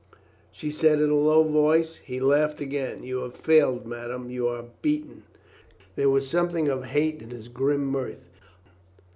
she said in a low voice. He laughed again. "You have failed, madame. You are beaten." There was something of hate in his grim mirth.